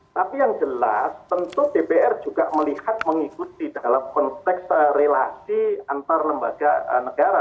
tapi yang jelas tentu dpr juga melihat mengikuti dalam konteks relasi antar lembaga negara